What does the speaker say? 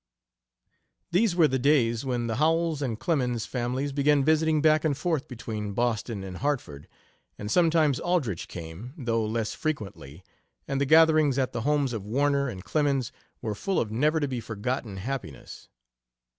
These were the days when the Howells and Clemens families began visiting back and forth between Boston and Hartford, and sometimes Aldrich came, though less frequently, and the gatherings at the homes of Warner and Clemens were full of never to be forgotten happiness.